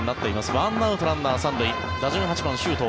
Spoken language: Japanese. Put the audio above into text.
１アウト、ランナー３塁打順８番、周東。